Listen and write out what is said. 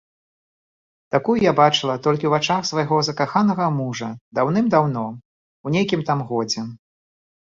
Такую я бачыла толькі ў вачах свайго закаханага мужа даўным-даўно, у нейкім там годзе.